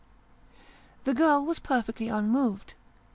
The girl was perfectly unmoved.